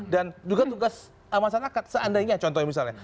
dan juga tugas masyarakat seandainya contohnya misalnya